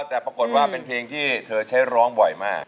แต่ปรากฏว่าเป็นเพลงที่เธอใช้ร้องบ่อยมาก